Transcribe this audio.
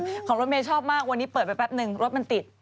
ของรถเมย์ชอบมากวันนี้เปิดไปแป๊บนึงรถมันติด